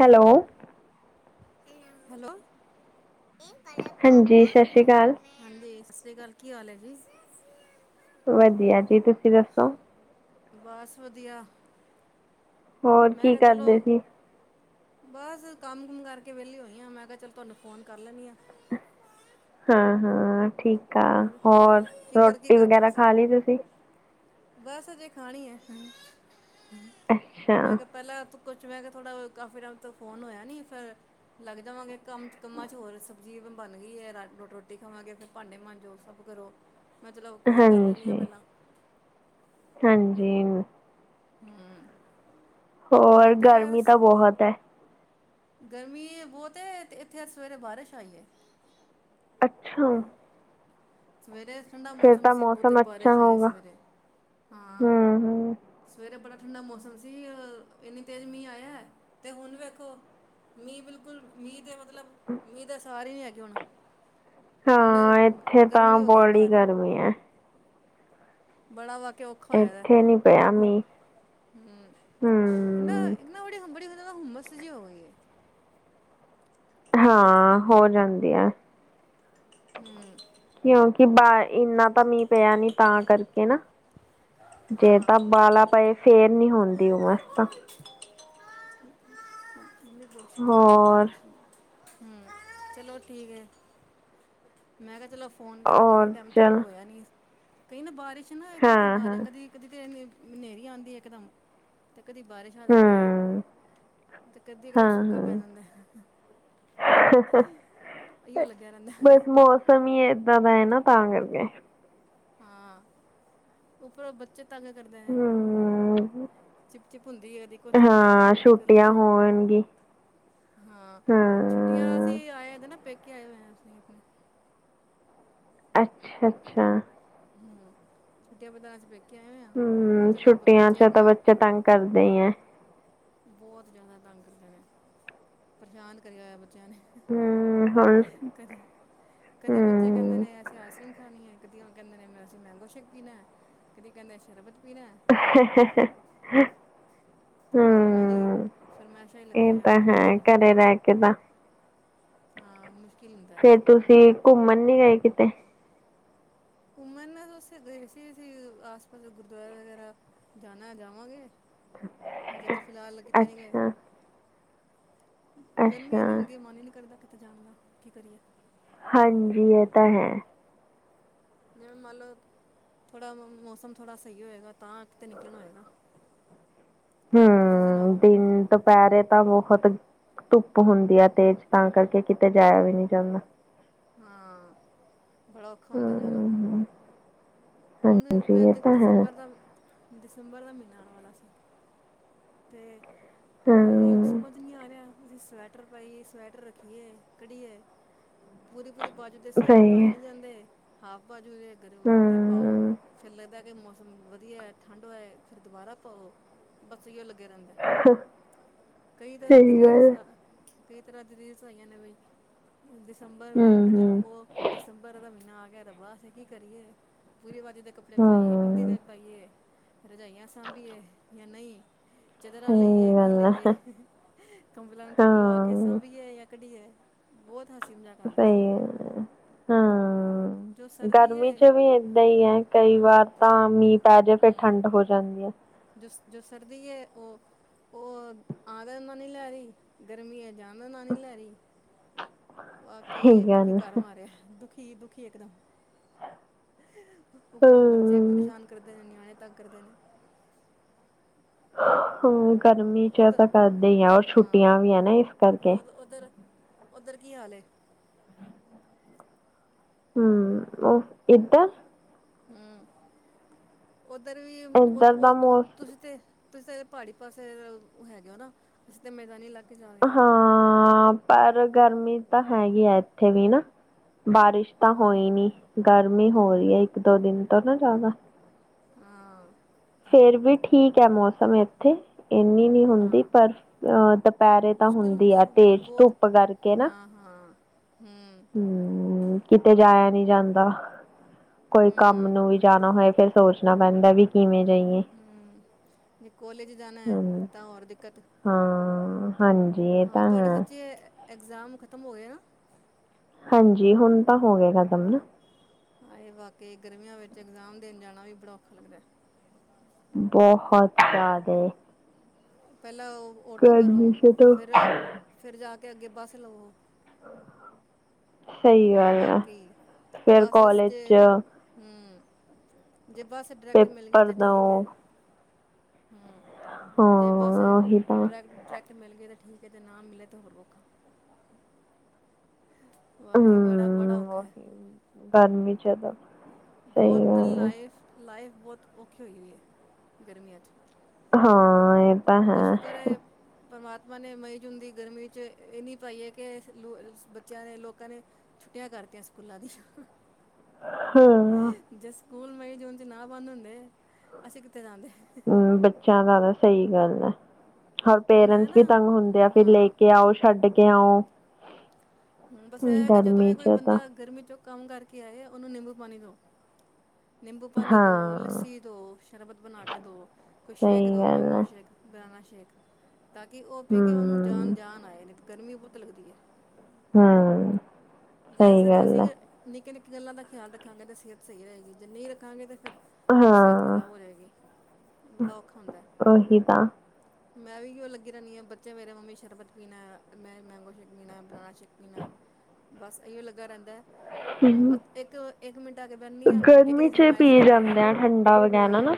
Hello hello ਹਾਂਜੀ ਸਤਿ ਸ਼੍ਰੀ ਅਕਾਲ ਹਾਂਜੀ ਸਤਿ ਸ੍ਰੀ ਅਕਾਲ ਕੀ ਹਾਲ ਹੈ ਜੀ। ਵਧੀਆ ਜੀ ਤੁਸੀਂ ਦੱਸੋ ਬਸ ਵਧੀਆ ਹੋਰ ਮੈਂ ਕੀ ਕਿਹਾ ਚਲੋ ਕਰਦੇ ਸੀ ਬਸ ਕੰਮ ਕੁਮ ਕਰਕੇ ਵਿਹਲੀ ਹੋਈ ਆ ਮੈਂ ਕਿਹਾ ਚੱਲ ਤੁਹਾਨੂੰ ਫੋਨ ਕਰ ਲੈਂਦੀ ਹਾਂ। ਹਾਂ ਹਾਂ ਠੀਕ ਆ ਔਰ ਹੋਰ ਕੀ ਕਰ ਕੀ ਰੋਟੀ ਕਰਦੇ ਵਗੈਰਾ ਤੁਸੀਂ ਖਾ ਲਈ ਤੁਸੀ, ਬਸ ਅਜੇ ਖਾਣੀ ਹੈ ਅੱਛਾ ਮੈਂ ਕਿਹਾ ਪਹਿਲਾਂ ਕੁਛ ਮੈਂ ਕਿਹਾ ਥੋੜ੍ਹਾ ਕਾਫੀ ਟਾਈਮ ਤੋਂ ਫੋਨ ਹੋਇਆ ਨੇ ਫਿਰ ਲੱਗ ਜਾਵਾਂਗੇ ਕੰਮ 'ਚ ਕੰਮਾਂ 'ਚ ਹੋਰ ਸਬਜ਼ੀ ਬਣ ਗਈ ਹੈ ਰੋਟੀ ਖਾਵਾਂਗੇ ਫਿਰ, ਭਾਂਡੇ ਮਾਂਜੋ ਸਭ ਕਰੋ ਮੈਂ ਚਲੋ ਕੋਲ ਕਰ ਲੈਂਦੀ ਹਾਂ ਹਾਂਜੀ ਪਹਿਲਾਂ ਹਾਂਜੀ ਹਮ ਹੋਰ ਗਰਮੀ ਤਾਂ ਬਹੁਤ ਹੈ। ਗਰਮੀ ਬਹੁਤ ਅਤੇ ਇੱਥੇ ਅੱਜ ਸਵੇਰੇ ਬਾਰਿਸ਼ ਆਈਏ ਅੱਛਾ ਸਵੇਰੇ ਠੰਢਾ ਫਿਰ ਮੌਸਮ ਤਾਂ ਸੀ ਬਹੁਤ ਮੌਸਮ ਅੱਛਾ ਬਾਰਿਸ਼ ਆਈ ਹੈ ਹੋਊਗਾ ਸਵੇਰੇ ਹਾਂ ਹਮ ਹਮ ਸਵੇਰੇ ਬੜਾ ਠੰਡਾ ਮੌਸਮ ਸੀ। ਇੰਨੀ ਤੇਜ਼ ਮੀਂਹ ਆਇਆ ਤੇ ਹੁਣ ਵੇਖੋ। ਮੀਂਹ ਬਿਲਕੁਲ ਮੀਂਹ ਦੇ ਮਤਲਬ। ਮਤਲਬ ਮੀਂਹ ਤਾਂ ਸਾਰੇ ਨੀ ਹੈਗੇ ਹੁਣ ਹੁਣ। ਹਾਂ ਇੱਥੇ ਤਾਂ ਗਰਮੀ ਹੋ ਗਈ ਵਾਲੀ ਬਾਹਰ ਗਰਮੀ ਹੈ। ਬੜਾ ਬਾਕੀ ਔਖਾ ਹੋਇਆ ਦਾ ਇੱਥੇ ਨੀ ਪਿਆ ਹੋ ਮੀਂਹ ਹੂੰ ਇਹ ਨਾ। ਹਮ ਇਹ ਨਾ ਬੜੀ ਬੜੀ ਹੁੰਮਸ ਜੀ ਹੋ ਗਈ ਹੈ। ਹਾਂ ਹੋ ਜਾਂਦੀ ਆ। ਹੂੰ। ਕਿਉਂਕਿ ਬਾਹਰ ਇੰਨਾ ਤਾਂ ਮੀਂਹ ਪਿਆ ਨੀ ਤਾਂ ਕਰਕੇ ਨਾ। ਜੇ ਹਾਂ ਤਾਂ ਬਾਲਾ ਪਏ ਫੇਰ ਨੀ ਹੁੰਦੀ ਉਮਸ ਤਾਂ। [unintelligible] ਹੂੰ, ਹੋਰ ਚਲੋ ਠੀਕ ਐ, ਮੈਂ ਕਿਆ ਚਲੋ ਫੋਨ ਕਰਾਂ ਕਾਫੀ ਔਰ ਟਾਈਮ ਤੋਂ ਚਲ ਹੋਇਆ ਨਈ। ਕਈ ਨਾ ਬਾਰਿਸ਼ ਨਾ ਇਥੇ ਇਥੇ ਹਾਂ ਹਾਂ ਬਾਹਰ ਕਦੀ ਕਦੀ ਤੇ ਇਹਨੇ ਨੇਰੀ ਆਂਦੀ ਇੱਕਦਮ ਤੇ ਕਦੀ ਬਾਰਿਸ਼ ਆ ਜਾਂਦੀ ਏ। ਹਮ ਤੇ ਕਦੀ ਇਕਦਮ ਹਾਂ ਸੁੱਕਾ ਪੈ ਜਾਂਦਾ ਐ। ਹਾਂ ਅਈਓ ਲੱਗਿਆ ਰਹਿੰਦਾ। ਸਮੀ ਏਦਾਂ ਦਾ ਐ ਨਾ ਤਾਂ ਕਰਕੇ। ਹਾਂ, ਉੱਪਰੋਂ ਬੱਚੇ ਤੰਗ ਕਰਦੇ ਨੇ। ਹਮ ਚਿਪ-ਚਿਪ ਹੁੰਦੀ ਏ, ਕਦੀ ਕੁਛ ਕਰੋ, ਕਦੀ ਹਾਂ ਕੁਛ ਛੁੱਟੀਆਂ ਕਰੋ। ਹੋਣਗੀ ਹਾਂ, ਛੁੱਟੀਆਂ ਹਾਂ ਅਸੀ ਆਏਦੇ ਨਾ ਪੇਕੇ ਆਏ ਹੋਏ ਅਸੀ ਅਪਣੇ। ਅੱਛਾ-ਅੱਛਾ। ਹੂੰ, ਛੁੱਟੀਆਂ ਬਿਤਾਉਣ ਚ ਪੇ ਹੂੰ, ਛੁੱਟੀਆਂ ਚ ਤਾਂ ਬੱਚੇ ਤੰਗ ਕਰਦੇ ਈ ਐ। ਬਹੁਤ ਜੈਦਾ ਤੰਗ ਕਰਦੇ ਨੇ ਪਰੇਸ਼ਾਨ ਕਰਿਆ ਹੋਇਆ ਬੱਚਿਆਂ ਨੇ। ਹਮ ਹੁਣ ਕਦੀ, ਕਦੀ ਬੱਚੇ ਕਹਿੰਦੇ ਹਮ ਨੇੇ ਆ ਆਈਸ ਕਰ੍ਰੀਮ ਖਾਣੀ ਐ, ਕਦੀ ਉਹ ਕਹਿੰਦੇ ਨੇ ਮੈਂ ਅਸੀਂ ਮੈਂਗੋ ਸ਼ੇਕ ਪੀਣਾ ਐ, ਕਦੀ ਕਹਿੰਦੇ ਸ਼ਰਬਤ ਪੀਣਾ ਐ। [unintelligible] ਤੇ ਬਸ ਉਹਨਾਂ ਦੀ ਹੂੰ, ਫਰਮਾਇਸ਼ਾਂ ਹੀ ਲੱਗੀਆਂ ਇਹ ਹੋਈਆਂ ਤਾਂ ਪੂਰਾ ਹੈ ਕਰਨ ਘਰੇ ਰਹਿ ਕੇ ਤਾਂ ਹਾਂ, ਮੁਸ਼ਕਿਲ ਹੁੰਦਾ। ਫੇਰ ਤੁਸੀਂ ਘੁੰਮਣ ਨੀ ਗਏ ਕਿਤੇ। ਘੁੰਮਣ ਅਸੀਂ ਗਏ ਸੀ ਅਸੀਂ ਆਸ ਪਾਸ ਦੇ ਗੁਰਦੁਆਰੇ ਵਗੈਰਾ ਜਾਣਾ ਜਾਵਾਂਗੇ, ਹਜੇ ਤੇ ਫਿਲਹਾਲ ਕਿਤੇ ਨੀ ਗਏ। ਅੱਛਾ ਗਰਮੀ ਅੱਛਾ ਇੰਨੀ ਹੁੰਦੀ ਐ, ਮਨ ਈ ਨਈ ਕਰਦਾ ਕਿਤੇ ਜਾਣ ਦਾ ਕੀ ਕਰੀਏ। ਹਾਂਜੀ, ਇਹ ਤਾਂ ਹੈ। ਜਿਵੇਂ ਮੰਨ ਲੳ ਥੋੜਾ ਮ ਮੌਸਮ ਥੋੜਾ ਸਈ ਹੋਏਗਾ ਤਾਂ ਕਿਤੇ ਨਿਕਲਣ ਹੋਏਗਾ। ਤੁਸੀਂ ਹੂੰ, ਸੁਣਾਓ ਦਿਨ ਦੁਪਹਿਰੇ ਤਾਂ ਬਹੁਤ ਖਤ ਧੁੱਪ ਹੁੰਦੀ ਆ ਤੇਜ਼ ਤਾਂ ਕਰਕੇ ਕਿਤੇ ਜਾਇਆ ਵੀ ਨਈ ਜਾਂਦਾ। ਹਾਂ, ਬੜਾ ਓਖਾ ਹੁੰਦਾ ਜਾਣਾ। ਹੂੰ ਹੁਣ ਹਾਂਜੀ ਦੁਪਹਿਰ ਇਹ ਦੇਖ ਤਾਂ ਹੈ ਦਸੰਬਰ ਦਾ, ਦਸੰਬਰ ਦਾ ਮਹੀਨਾ ਆਉਣ ਵਾਲਾ ਸੀ ਤੇ ਓਰ ਲੋਕ ਹੂੰ ਸਮਝ ਨਈ ਆ ਰਿਆ ਐ, ਅਸੀਂ ਸਵੈਟਰ ਪਾਈਏ, ਸਵੈਟਰ ਰੱਖੀਏ ਕੱਢੀਏ। ਪੂਰੀ-ਪੂਰੀ ਬਾਜੂ ਤੇ ਸੂਟ ਸਹੀ ਪਾਏ ਹੈ ਨੀ ਜਾਂਦੇ, ਹਾਫ ਬਾਜੂ ਦੇ ਗਰੋ ਤੇ ਪਾਓ। ਹੂੰ ਫਿਰ ਲੱਗਦਾ ਕਿ ਮੌਸਮ ਵਦੀਆ ਐ, ਠੰਡ ਵੈ, ਫਿਰ ਦੁਬਾਰਾ ਪਾਓ। ਸਈਉ ਲੱਗੇ ਰਹਿੰਦਾ, ਕਈ ਤਾਂ ਅਦੀ ਸਹੀ ਰਿਲਸ ਗੱਲ ਆ ਕਈ ਤਰਾਂ ਦੀ ਰੀਲਸ ਆਈਆਂ ਨੇ ਵੀ ਦਸੰਬਰ ਹੂੰ ਵੇ ਜਾਂ ਹੂੰ ਉਹ ਦਸੰਬਰ ਦਾ ਮਹੀਨਾ ਆ ਗਿਆ ਹੈ। ਰੱਬਾ ਅਸੀਂ ਕੀ ਕਰੀਏ ਪੂਰੀ ਬਾਜ਼ੂ ਦੇ ਕੱਪੜੇ ਪਾਈਏ, ਅੱਧੀ ਹੂੰ ਦੇ ਪਾਈਏ, ਰਜਾਈਆਂ ਸਾਂਬੀਏ ਯਾ ਨਈ। ਚਦਰਾ ਲਈਏ, ਸਹੀ ਕੀ ਗੱਲ ਲਈਏ, ਹੈ ਕੰਬਲਾ ਨੂੰ ਧੁੱਪ ਲਵਾ ਕੇ ਹਾਂ ਸਾਂਬੀਏ ਯਾ ਕਢੀਏ ਬਹੁਤ ਹਸੀ ਮਜਾਕ ਸਈ ਐ, ਹਾਂ। ਜੋ ਸਰਦੀ ਹੈ ਗਰਮੀ ਚ ਵੀ ਏਦਾ ਈ ਐ, ਕਈ ਹਾਂ ਵਾਰ ਤਾਂ ਮੀਹ ਪੈ ਜੇ ਫਿਰ ਠੰਡ ਹੋ ਜਾਂਦੀ ਐ। ਜੋ, ਜੋ ਸਰਦੀ ਐ ਉਹ, ਉਹ [unintelligible] ਲੈ ਰਈ ਗਰਮੀ ਐ ਜਾ ਮੈਂ ਮਨ ਨੀ ਲੈ ਰੀ ਸਹੀ ਬਾਕੀ ਦੁਖੀ ਗੱਲ ਕਰ ਹਮ ਮਾਰਯਾ, ਦੁਖੀ, ਦੁਖੀ ਇਕ ਦਮ ਉਪਰੋ ਬੱਚੇ ਪਰੇਸ਼ਾਨ ਕਰਦੇ ਨੇ, ਨਿਆਣੇ ਤਂਗ ਕਰਦੇ ਨੇ ਹੂੰ, ਗਰਮੀ ਚ ਐ, ਉਧਰ ਤਾਂ ਕਰਦੇ ਈ ਆ ਓਰ ਹਾਂ ਛੁਟੀਆਂ ਵੀ ਐ ਨਾ ਇਸ ਔਰ ਕਰਕੇ ਉਧਰ- ਉਧਰ ਕੀ ਹਾਲ ਹੂ ਉਹ ਇਦਰ ਹੂੰ ਉੱਧਰ ਵੀ ਉਹ ਇੱਧਰ ਦਾ ਮੌਸਮ ਤੁਸੀਂ ਤੇ। ਤੁਸੀਂ ਤਾਂ ਪਹਾੜੀ ਪਾਸੇ ਦੇ ਹੈਗੇ ਉਹ ਨਾ ਅਸੀਂ ਤੇ ਮੈਦਾਨੀ ਇਲਾਕੇ। 'ਚ ਆ ਗਏ ਹਾਂ ਪਰ ਗਰਮੀ ਤਾਂ ਹੈਗੀ ਹੈ ਇੱਥੇ ਵੀ ਨਾ। ਬਾਰਿਸ਼ ਤਾਂ ਹਾਂ ਹੋਈ ਨਹੀਂ ਗਰਮੀ ਹੋ ਰਹੀ ਹੈ। ਇੱਕ ਦੋ ਦਿਨ ਤੋਂ ਨਾ ਜ਼ਿਆਦਾ। ਹਾਂ। ਫੇਰ ਵੀ ਠੀਕ ਹੈ। ਮੌਸਮ ਇਥੇ ਇਨੀ ਨੀ ਹਾਂ ਹੁਦੀ ਹਾਂ ਪਰ ਅ ਦੁਪਹਿਰੇ ਤਾਂ ਮੁਸ਼ਕਿਲ ਹੁਦੀ ਹੁੰਦੀ ਆ ਹੈ ਤੇਜ ਬਹੁਤ ਧੁੱਪ ਕਰਕੇ ਨਾ ਹਾਂ ਹੂ- ਹਮ ਕਿਤੇ ਜਾਇਆ ਨਹੀ ਜਾਦਾ ਕੋਈ ਕੰਮ ਹਮ ਨੂੰ ਵੀ ਜਾਣਾ ਹੋਏ ਫਿਰ ਸੋਚਣਾ ਪੈਦਾ ਵੀ ਕਿਵੇ ਹੂ ਜੇ ਕੋਲੇਜ ਜਾਣਾ ਹੈ। ਹਾਂ ਤਾਂ ਹੋਰ ਦਿਕਤ ਹਾਂ ਹਾਂਜੀ ਇਹ ਤਾ ਹੈ। ਇਗਜ਼ਾਮ ਖਤਮ ਹੋ ਗਏ ਨਾ ਹਾਂਜੀ ਹੁਣ ਤਾਂ ਹੋ ਗ ਕਦਮ ਨਾ ਹਾਏ ਬਾਕੀ ਗਰਮੀਆਂ ਵਿਚ ਇਗਜ਼ਾਮ ਦੇਣ ਜਾਣਾ ਵੀ ਬੜਾ ਔਖਾ ਲਗਦਾ ਬਹੁਤ ਜਿਆਦਾ ਪਹਿਲਾਂ ਉਹ ਆਟੋ ਕਰੋ ਗਰਮੀ ਸੇ ਤਾਂ ਫਿਰ- ਫਿਰ ਜਾ ਕੇ ਅਗੇ ਬਸ ਲਵੋ ਸਹੀ ਉਹ ਗੱਲ ਆ ਬਾਕੀ ਫਿਰ ਬੱਸ ਕਾਲਜ 'ਚ ਜੇ ਹੂ ਜੇ ਬਸ ਡਾਇਰੈਕਟ ਮਿਲ ਗਈ ਪੇਪਰ ਤਾਂ ਠੀਕ ਹੈ। ਦਓ ਹਮ ਜੇ ਬਸ ਹਾਂ ਉਹੀ ਤਾਂ ਡਰੈਕ- ਡਰੈਕ ਮਿਲ ਗਏ ਤਾਂ ਠੀਕ ਹੈ। ਅਤੇ ਨਾ ਮਿਲੇ ਤੇ ਹੋਰ ਔਖਾ ਹਮ [unintelligible] ਵਾਕਈ ਬੜਾ- ਬੜਾ ਹਮ ਔਖਾ ਹੈ। ਉਹੀ ਗਰਮੀ ਜ਼ਿਆਦਾ ਸਹੀ ਬਹੁਤ ਗੱਲ ਆ ਲਾਈਫ ਲਾਈਫ ਬਹੁਤ ਔਖੀ ਹੋਈ- ਹੋਈ ਹੈ। ਗਰਮੀਆ 'ਚ ਹਾਂ- ਤਾਂ ਹੈ ਉਹਦਾ ਸ਼ੁਕਰ ਹੈ। ਪਰਮਾਤਮਾ ਨੇ ਮਈ ਜੂਨ ਦੀ ਗਰਮੀ 'ਚ ਇਹ ਨੀ ਪਾਈ ਹੈ। ਕਿ ਬਚਿਆ ਨੇ ਲੋਕਾ ਨੇ ਛੁਟੀਆ ਕਰਤੀਆ ਸਕੂਲਾ ਦੀਆ ਹਾਂ ਜੇ ਸਕੂਲ ਮਈ ਜੂਨ 'ਚ ਨਾ ਬੰਦ ਹੁੰਦੇ ਅਸੀ ਕਿਥੇ ਜਾਦੇ ਹਮ ਬਚਿਆਂ ਦਾ ਤਾਂ ਸਹੀ ਗਲ ਹੈ। ਹੋਰ ਹੁਣ ਇਹ ਪੇਰੈਟਸ ਵੀ ਨਾ ਤੰਗ ਹੁੰਦੇ ਆ ਫਿਰ ਲੈ ਹਾਂ ਕੇ ਆਓ ਛੱਡ ਕੇ ਆਓ ਬਸ ਇਹ ਕਿ ਜਦੋ ਗਰਮੀ ਵੀ ਕੋਈ ਚ ਤਾਂ ਬੰਦਾ ਗਰਮੀ ਚੋ ਕਮ ਕਰਕੇ ਆਏ ਉਹਨੂੰ ਨਿਬੂ ਪਾਣੀ ਦਉ ਨਿਬੂ ਪਾਨੀ ਦੋ ਹਾਂ ਲਸੀ ਦੋ ਸ਼ਰਬਤ ਬਣਾ ਕੇ ਦੋ ਕੋਈ ਸਹੀ ਸ਼ੇਕ ਦੋ ਗੱਲ ਮੈਗੋ ਹੈ ਸ਼ੇਕ ਬਨਾਨਾ ਸ਼ੇਕ ਤਾਂ ਕਿ ਉਹ ਪੀ ਕੇ ਉਹਨੂੰ ਜਾਨ ਹਮ ਜਾਨ ਆਏ ਨੇ ਗਰਮੀ ਬਹੁਤ ਲਗਦੀ ਹੈ। ਹਾ- ਜੇ ਸਰ ਅਸੀ ਨਿਕੇ- ਨਿਕੇ ਗਲਾ ਦਾ ਖਿਆਲ ਰੱਖਾਂਗੇ ਤਾਂ ਸਿਹਤ ਸਹੀ ਰਹੇਗੀ ਜੇ ਨਹੀ ਰਖਾਗੇ ਤਾਂ ਫਿਰ ਸਿਹਤ ਹਾਂ ਖਰਾਬ ਹੋ ਜਾਏਗੀ ਬੜਾ ਔਖਾ ਹੁੰਦਾ ਉਹੀ ਤਾਂ ਮੈਂ ਵੀ ਉਹਓ ਲੱਗੀ ਰਹਿੰਦੀ ਹਾਂ ਬੱਚੇ ਮਰੇਮੀ ਸ਼ਰਬਤ ਪੀਣਾ ਹੈ ਮੈਂ ਮੈਂਗੋ ਸ਼ੇਕ ਪੀਣਾ ਹੈ ਬਨਣਾ ਸ਼ੇਕ ਬਸ ਇਹੀਓ ਲੱਗਾਿਆ ਰਹਿੰਦਾ ਹਮ, ਅ ਇੱਕ ਇੱਕ ਮਿੰਟ ਆ ਕੇ ਬਣਨੀ ਆ ਇੱਕ ਗਰਮੀ ਦੀ ਚ ਫਰਮਾਇਸ਼ ਪੀ ਆਉਂਦੀ ਆ ਜਾਂਦੇ ਠੰਡਾ ਵਗੈਰਾ ਹਾਂ ਨਾ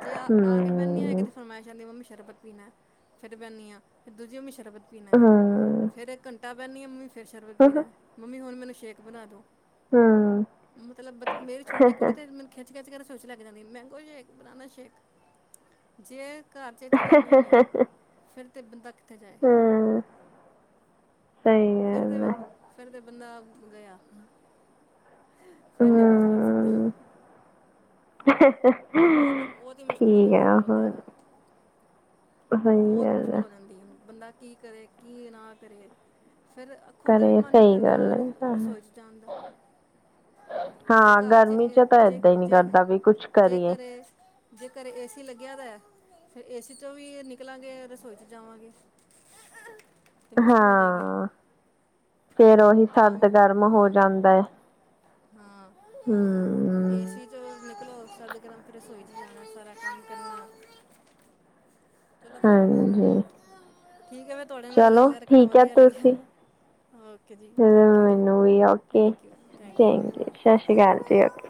ਜੇ ਆ ਆ ਕੇ ਬਹਿੰਦੀ ਆ ਹਮ ਕਿਤੇ ਫਰਮਾਇਸ਼ ਜਾਂਦੀ ਮੰਮੀ ਸ਼ਰਬਤ ਪੀਣਾ ਫਿਰ ਬੈਂਨ ਹ ਆ ਫਿਰ ਦੂਜੀ ਮੈਂ ਸ਼ਰਬਤ ਪੀਣਾ ਹਮ ਫਿਰ ਇੱਕ ਘੰਟਾ ਪਹਿਨਦੀ ਹੈ ਮੰਮੀ ਫਿਰ ਸ਼ਰਬਤ ਪੀਣਾ ਮੰਮੀ ਹੁਣ ਮੈਨੂੰ ਸ਼ੇਕ ਬਣਾ ਦਿਉ ਹਮ ਮਤਲਬ ਮੇਰੀ ਛੋਟੀ ਹਮ, ਕੁੜੀ ਤੇ ਮੇਂ ਖਿੱਚ ਖਿੱਚ ਕੇ ਰਸੋਈ ਚ ਲਕੇ ਜਾਂਦੀ ਏ ਮੈਂਗੋ ਸ਼ੇਕ ਬਨਾਨਾ ਸ਼ੇਕ ਜੇ ਘਰ ਚ ਚੀਜ਼ਾਂ ਨਹੀਂ ਨੇ ਫਿਰ ਤੇ ਬੰਦਾ ਕਿੱਥੇ ਜਾਏ ਹਮ ਫਿਰ ਤੇ ਹੈ ਫਿਰ ਤੇ ਬੰਦਾ ਗਿਆ ਫਿਰ ਨੀ ਉਹ ਕੁਛ ਕਰ ਸਕਦਾ ਹਮ, ਬਹੁਤ ਬਹੁਤ ਹੀ ਮੁਸ਼ਕਿਲ ਹੋ ਠੀਕ ਜਾਂਦੀ ਆ ਬਹੁਤ ਹੋਰ ਜ਼ਿਆਦਾ ਸਹੀ ਬਹੁਤ ਗੱਲ ਮੁਸ਼ਕਿਲ ਹੋ ਜਾਦੀ ਹੈ। ਹੁਣ ਬੰਦਾ ਕੀ ਕਰੇ ਕੀ ਨਾ ਕਰੇ ਫਿਰ ਖੁਦ ਦਾ ਵੀ ਕਰੇ ਮਨ ਨਹੀ ਸਹੀ ਕਰਦਾ ਗੱਲ ਹੈ ਰਸੋਈ 'ਚ ਜਾਣ ਦਾ ਜੇ ਹਾਂ ਘਰ ਗਰਮੀ ਚ ਚਚ ਤਾਂ ਜੇ ਏਦਾਂ ਹੀ ਨਹੀਂ ਜੇ ਕਰਦਾ ਵੀ ਕੁਛ ਜੇ ਕਰੀਏ ਘਰੇ ਜੇ ਘਰੇ ਏ ਸੀ ਲੱਗਿਆ ਤਾਂ ਫਿਰ ਏ ਸੀ 'ਚ ਵੀ ਨਿਕਲਾਂਗੇ ਰਸੋਈ 'ਚ ਜਾਵਾਗੇ। ਜਾਏਗੀ ਹਾਂ ਫੇਰ ਉਹੀ ਤਾਂ ਸਰਦ ਵੀ ਗਰਮ ਹੋ ਹਾਂ ਜਾਂਦਾ ਹੈ। ਹਾਂ ਹਮ ਏਸੀ ਚ ਨਿਕਲੋ ਸਰਦ ਗਰਮ ਫਿਰ ਰਸੋਈ ਚ ਜਾਣਾ ਸਾਰਾ ਕੰਮ ਕਰਨਾ ਚਲੋ ਫਿਰ ਹਾਂਜੀ ਠੀਕ ਆ ਮ ਤੁਹਾਡੇ ਨਾਲ ਚਲੋ ਗੱਲ ਕਰ ਕਿਹੜਾ ਠੀਕ ਹੈ ਵਧੀਆ ਲੱਗਿਆ ਤੁਸੀਂ ਵ ਅਹ ਓਕੇ ਜੀ ਥੈਂਕ ਯੂ ਜੀ ਮੈਨੂੰ ਵੀ okay thank you thank you ਜੀ ਸਤਿ ਸ਼੍ਰੀ ਅਕਾਲੀ ਓਕੇ